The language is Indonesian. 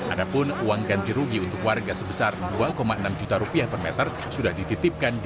adapun uang ganti rugi untuk warga sebesar dua enam juta rupiah per meter sudah dititipkan di